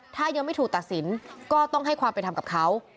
ถ้ายังไม่ถูกตัดสินก็ต้องให้ความเป็นธรรมกับเขา